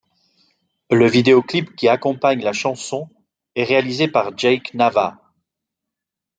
Le vidéoclip qui accompagne la chanson, est réalisé par Jake Nava.